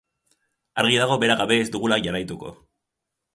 Argi dago bera gabe ez dugula jarraituko.